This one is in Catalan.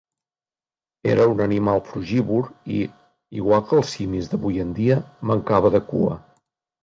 Era un animal frugívor i, igual que els simis d'avui en dia, mancava de cua.